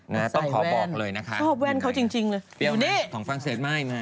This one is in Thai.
นะต้องขอบอกเลยนะคะอยู่นี่ครับฟังเซ็ทไม่